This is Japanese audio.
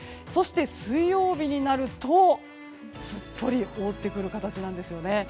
そして、水曜日になるとすっぽり覆ってくる形なんです。